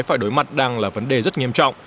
phải đối mặt đang là vấn đề rất nghiêm trọng